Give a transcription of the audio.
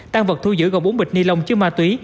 tăng vật thu giữ gồm bốn bịch ni lông chứa ma túy